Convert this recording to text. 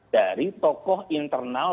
dari tokoh internal